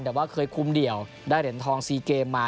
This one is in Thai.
แต่ว่าเคยคุมเดี่ยวได้เหรียญทอง๔เกมมา